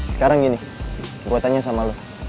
sekarang gini gua tanya sama lo